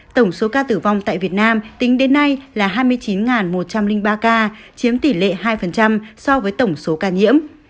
tổng số ca tử vong tại việt nam tính đến nay là hai mươi chín một trăm linh ba ca chiếm tỷ lệ hai so với tổng số ca nhiễm